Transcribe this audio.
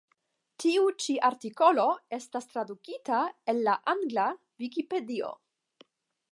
Tiu ĉi artikolo estas tradukita el la angla Vikipedio.